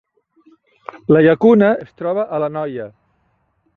La Llacuna es troba a l’Anoia